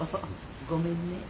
ごめんね。